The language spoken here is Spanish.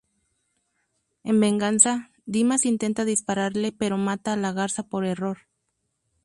En venganza, Dimas intenta dispararle pero mata a La Garza por error.